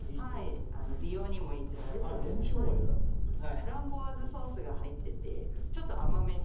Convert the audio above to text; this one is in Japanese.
フランボワーズソースが入っててちょっと甘めに。